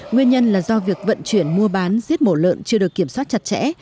nguyên nhân là do việc vận chuyển mua bán giết mổ lợn chưa được kiểm soát chặt chẽ